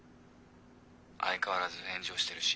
相変わらず炎上してるし。